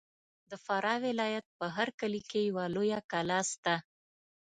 د فراه ولایت په هر کلي کې یوه لویه کلا سته.